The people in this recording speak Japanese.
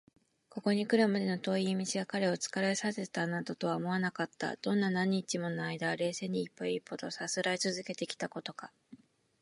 ここにくるまでの遠い道が彼を疲れさせたなどとは思われなかった。どんなに何日ものあいだ、冷静に一歩一歩とさすらいつづけてきたことか！